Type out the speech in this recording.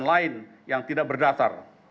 saya ulangi jadi